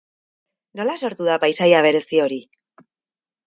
Nola sortu da paisaia berezi hori?